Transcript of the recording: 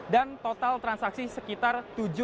dan total transaksi sekitar